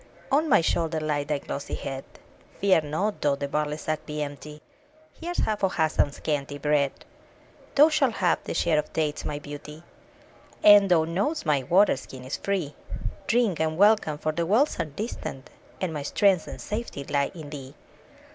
On my shoulder lay thy glossy head! Fear not, though the barley sack be empty, Here's half of Hassan's scanty bread. Thou shalt have thy share of dates, my beauty! And thou know'st my water skin is free: Drink and welcome, for the wells are distant, And my strength and safety lie in thee.